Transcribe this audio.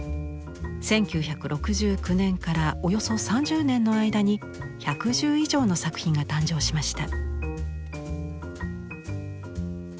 １９６９年からおよそ３０年の間に１１０以上の作品が誕生しました。